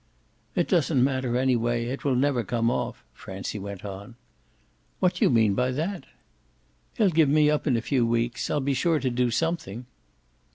"It doesn't matter anyway; it will never come off," Francie went on. "What do you mean by that?" "He'll give me up in a few weeks. I'll be sure to do something."